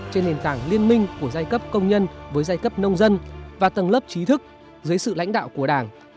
trên nền tảng liên minh của giai cấp công nhân với giai cấp nông dân và tầng lớp trí thức dưới sự lãnh đạo của đảng